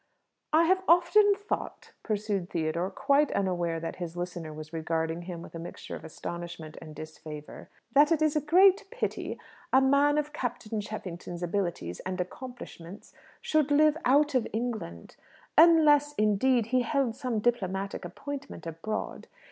"I have often thought," pursued Theodore, quite unaware that his listener was regarding him with a mixture of astonishment and disfavour, "that it is a great pity a man of Captain Cheffington's abilities and accomplishments should live out of England; unless, indeed, he held some diplomatic appointment abroad.